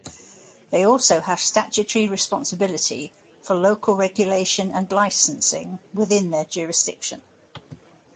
They also have statutory responsibility for local regulation and licensing within their jurisdiction.